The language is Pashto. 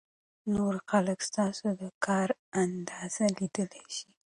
نور خلک ستاسو د کار اندازه لیدلای شي.